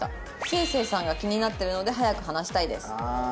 「せいせいさんが気になってるので早く話したいです」。